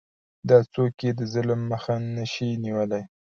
او څوک یې د ظلم مخه نشي نیولی؟